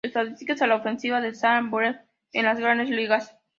Estadísticas a la ofensiva de Zack Wheat en las Grandes Ligas.